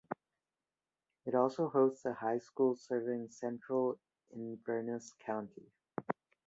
It also hosts a high school serving central Inverness County.